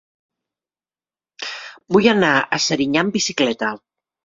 Vull anar a Serinyà amb bicicleta.